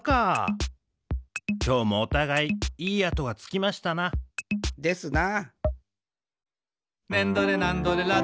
きょうもおたがいいい跡がつきましたな。ですな。